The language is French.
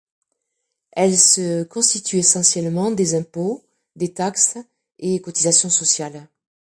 Elles se constituent essentiellement des impôts, des taxes, et cotisations sociales.